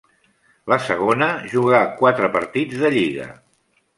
La segona jugà quatre partits de lliga.